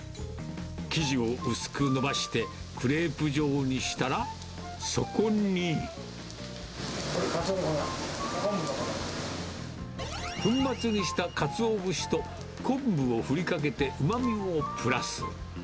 生地を薄く伸ばして、クレープ状これ、カツオの粉、これは昆粉末にしたかつお節と、昆布を振りかけてうまみをプラス。